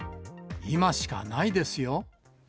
今しかないですよ。